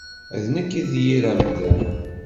D nekk i d yir amdan.